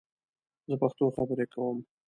زه پښتو خبرې کوم